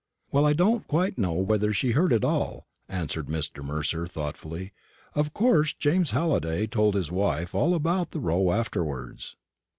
"Well, I don't quite know whether she heard all," answered Mr. Mercer, thoughtfully. "Of course, James Halliday told his wife all about the row afterwards.